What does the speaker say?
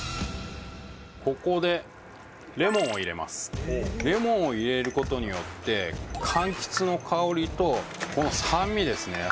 ここでレモンを入れますレモンを入れることによって柑橘の香りとこの酸味ですね